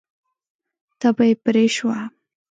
تبه یې پرې شوه.